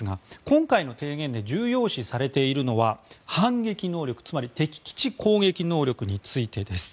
今回の提言で重要視されているのは反撃能力つまり敵基地攻撃能力についてです。